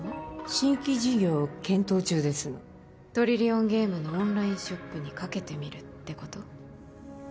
新規事業を検討中ですのトリリオンゲームのオンラインショップにかけてみるってこと？